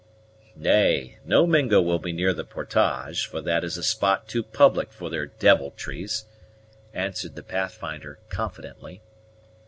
"Nay, no Mingo will be near the portage, for that is a spot too public for their devilries," answered the Pathfinder confidently.